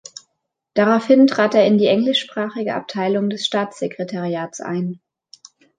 Daraufhin trat er in die englischsprachige Abteilung des Staatssekretariats ein.